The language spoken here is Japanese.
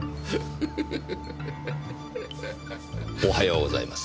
おはようございます。